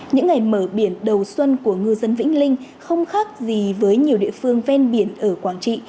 những ngày mở biển đầu xuân của ngư dân vĩnh linh không khác gì với nhiều địa phương ven biển ở quảng trị